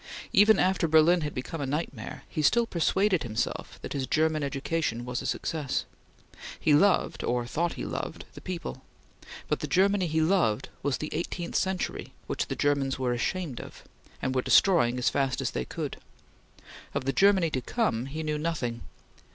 Even after Berlin had become a nightmare, he still persuaded himself that his German education was a success. He loved, or thought he loved the people, but the Germany he loved was the eighteenth century which the Germans were ashamed of, and were destroying as fast as they could. Of the Germany to come, he knew nothing.